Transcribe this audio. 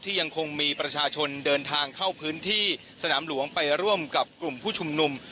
ยังคงมีประชาชนเดินทางเข้าพื้นที่สนามหลวงไปร่วมกับกลุ่มผู้ชุมนุม